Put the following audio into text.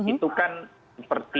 itu kan seperti